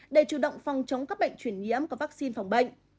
để chủ động phòng chống các bệnh chuyển nhiễm có vaccine phòng bệnh